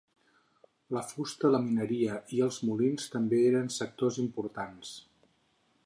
La fusta, la mineria i els molins també eren sectors importants.